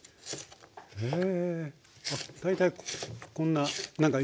へえ。